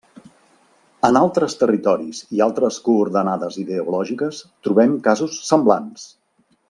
En altres territoris i altres coordenades ideològiques trobem casos semblants.